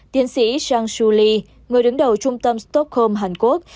tiến sĩ zhang shuli người đứng đầu trung tâm stockholm hàn quốc